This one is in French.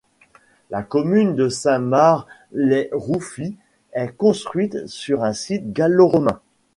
La commune de Saint-Mard-lès-Rouffy est construite sur un site gallo-romain.